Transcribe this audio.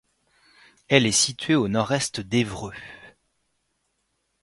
Elle est située au nord-est d'Évreux.